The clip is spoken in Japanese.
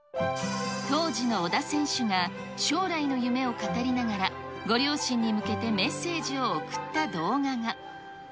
当時の小田選手が、将来の夢を語りながら、ご両親に向けてメッセージを送った動画が。